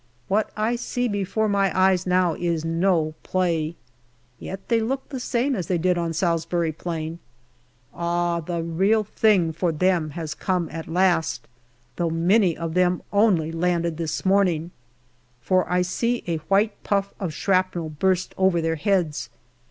What I see before my eyes now is no play. Yet they look the same as they did on Salisbury Plain. Ah ! the real thing for them has come at last, though many of them only landed this morning, for I see a white puff of shrapnel burst over their heads.